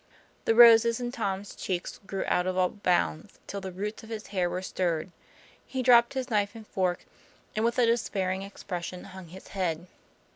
The roses in Tom's cheeks grew out of all bounds, till the " roots of his hair were stirred "; he dropped his knife and fork, and with a despairing expression hung his head.